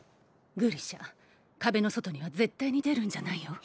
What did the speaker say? グリシャ壁の外には絶対に出るんじゃないよ？